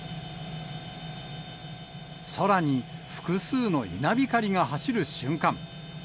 空に複数の稲光が走る瞬間。